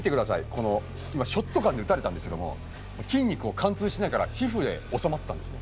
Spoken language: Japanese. この今ショットガンで撃たれたんですけども筋肉を貫通しないから皮膚で収まったんですね。